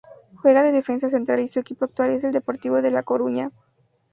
Juega de defensa central y su equipo actual es el Deportivo de La Coruña.